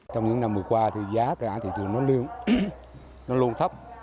trong những năm vừa qua thì giá cà phê thường nó lưu nó luôn thấp